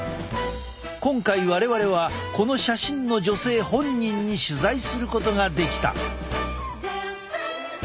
今回我々はこの写真の女性本人に取材することができた。